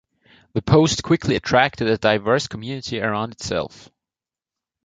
The post quickly attracted a diverse community around itself.